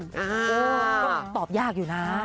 ช่วยเจน